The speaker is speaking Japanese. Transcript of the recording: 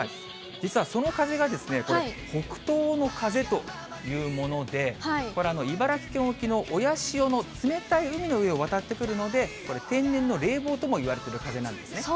実はその風が北東の風というもので、これ、茨城県沖の親潮の冷たい海の上を渡ってくるので、天然の冷房ともいわれている風なんですね。